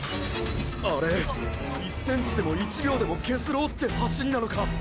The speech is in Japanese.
あれ１ｃｍでも１秒でも削ろうって走りなのか！